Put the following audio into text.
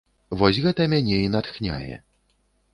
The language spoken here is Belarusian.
Вось гэта мяне і натхняе.